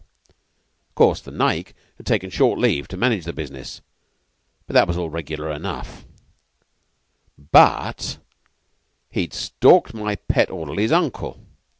Of course, the Naick had taken short leave to manage the business; that was all regular enough; but he'd stalked my pet orderly's uncle.